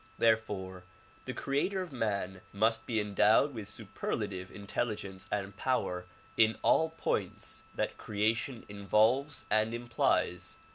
Therefore the creator of man must be endowed with superlative intelligence and power in all points that creation in volves and implies.